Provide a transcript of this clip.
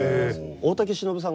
大竹しのぶさん？